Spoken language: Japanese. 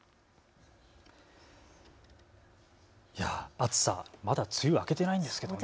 暑さ、まだ梅雨明けてないんですよね。